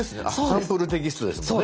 サンプルテキストですもんね。